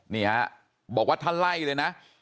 เนี่ยบอกว่าท่าไล่เลยนะ